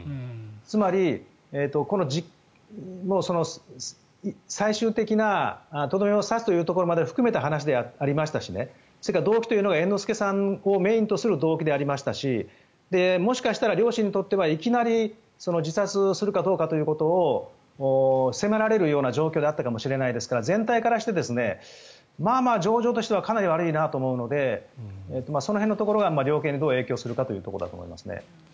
つまり、最終的なとどめを刺すというところまで含めた話でありましたしそれから動機というのが猿之助さんを中心とする動機でありましたしもしかしたら両親にとってはいきなり自殺するかどうかということを迫られるような状況であったかもしれませんから全体としてまあまあ情状としてはかなり悪いなと思うのでその辺のところが量刑にどう影響するかというところだと思いますね。